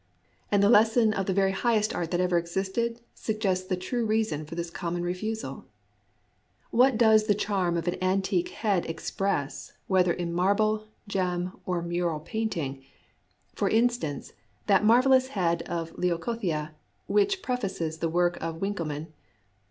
And the lesson of the very highest art that ever existed sug gests the true reason for this common refusal. What does the charm of an antique head express, whether in marble, gem, or mural painting, — for instance, that marvelous head of Leucothea which prefaces the work of Winckelmann?